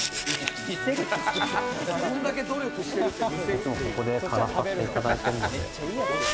いつもここでからさしていただいてるので。